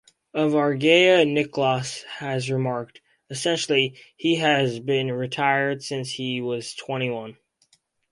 Of Argea, Nicklaus has remarked, Essentially, he has been retired since he was twenty-one.